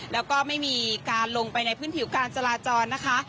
แล้วก็ไม่มีการลงไปในพื้นผิวการจราจรนะคะ